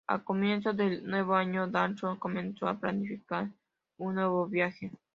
A comienzo del nuevo año, Bashō comenzó a planificar un nuevo viaje.